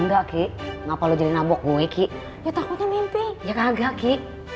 nggak kek ngapa lu jadi nabok gue ki ya takutnya mimpi ya kagak ki